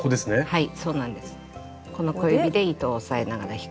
はい。